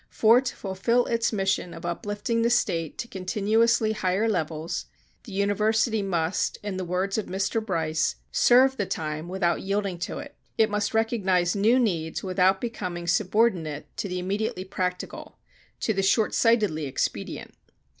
For to fulfil its mission of uplifting the state to continuously higher levels the University must, in the words of Mr. Bryce, "serve the time without yielding to it;" it must recognize new needs without becoming subordinate to the immediately practical, to the short sightedly expedient.